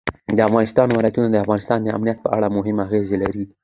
د افغانستان ولايتونه د افغانستان د امنیت په اړه هم اغېز لري.